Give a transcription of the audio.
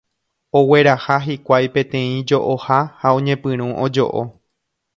Ogueraha hikuái peteĩ jo'oha ha oñepyrũ ojo'o.